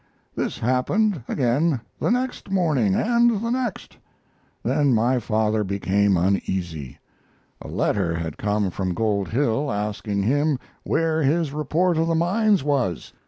This happened again the next morning, and the next. Then my father became uneasy. A letter had come from Gold Hill, asking him where his report of the mines was.